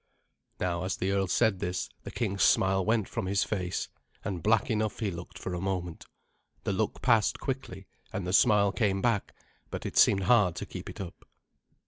Now, as the earl said this, the king's smile went from his face, and black enough he looked for a moment. The look passed quickly, and the smile came back, but it seemed hard to keep it up.